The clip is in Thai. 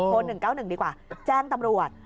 ๑๙๑ดีกว่าแจ้งตำรวจ